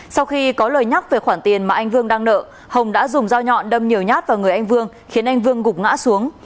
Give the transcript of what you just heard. sau khi có lời nhắc về khoản tiền mà anh vương đang nợ hồng đã dùng dao nhọn đâm nhiều nhát vào người anh vương khiến anh vương gục ngã xuống